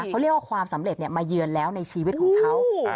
เขาเรียกว่าความสำเร็จมาเยือนแล้วในชีวิตของเขา